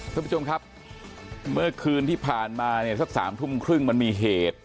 ท่านผู้ชมครับเมื่อคืนที่ผ่านมาเนี่ยสักสามทุ่มครึ่งมันมีเหตุ